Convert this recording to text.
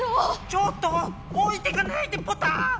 ちょっとおいてかないでポタ！